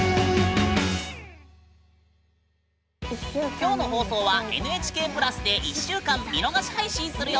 今日の放送は「ＮＨＫプラス」で１週間見逃し配信するよ！